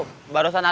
terima kasih komandan